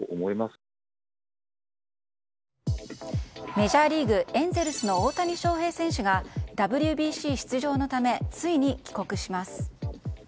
メジャーリーグ、エンゼルスの大谷翔平選手がＷＢＣ出場のためついに帰国します。